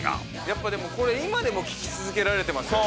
やっぱでもこれ今でも聴き続けられてますよね。